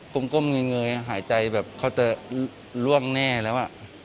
กลมกลมเหนื่อยหายใจแบบเขาจะล่วงแน่แล้วอะ